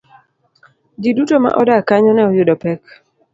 Ji duto ma odak kanyo ne oyudo pek.